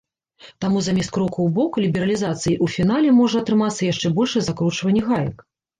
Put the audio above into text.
Таму замест кроку ў бок лібералізацыі ў фінале можа атрымацца яшчэ большае закручванне гаек.